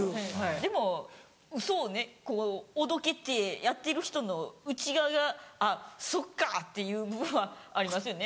でも嘘をねこうおどけてやってる人の内側が「あっそっか」っていう部分はありますよね。